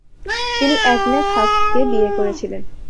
তিনি অ্যাগনেস হাস্ককে বিয়ে করেছিলেন।